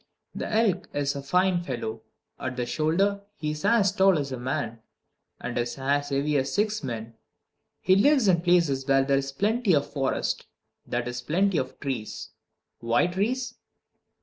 The elk is a fine fellow. At the shoulder he is as tall as a man, and is as heavy as six men. He lives in places where there is plenty of forest that is, plenty of trees. Why trees?